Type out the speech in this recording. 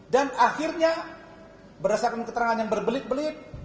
dan akhirnya berdasarkan keterangan yang berbelit belit